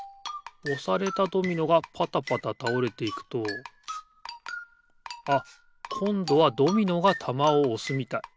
おされたドミノがぱたぱたたおれていくとあっこんどはドミノがたまをおすみたい。